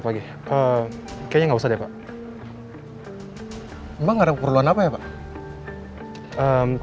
aku juga harus jaga kelakuan kamu